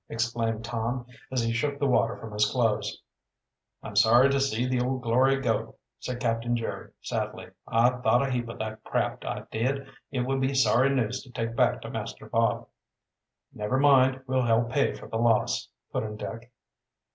exclaimed Tom, as he shook the water from his clothes. "I'm sorry to see the Old Glory go," said Captain Jerry sadly. "I thought a heap o' that craft, I did. It will be sorry news to take back to Master Bob." "Never mind, we'll help pay for the loss," put in Dick.